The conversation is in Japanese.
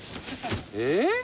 えっ！？